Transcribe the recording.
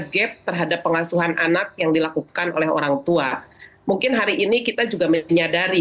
gap terhadap pengasuhan anak yang dilakukan oleh orang tua mungkin hari ini kita juga menyadari